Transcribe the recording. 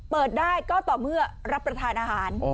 เปิดได้ก็ต่อเมื่อรับประทานอาหาร